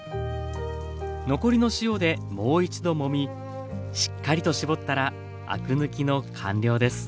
残りの塩でもう一度もみしっかりと絞ったらアク抜きの完了です。